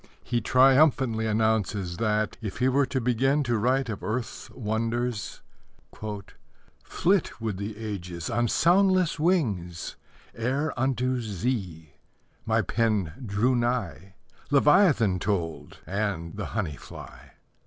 He triumphantly announces that, if he were to begin to write of earth's wonders: Flit would the ages On soundless wings Ere unto Z My pen drew nigh; Leviathan told, And the honey fly.